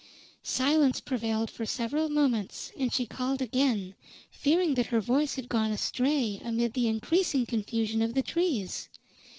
Silence prevailed for several moments, and she called again, fearing that her voice had gone astray amid the increasing confusion of the trees.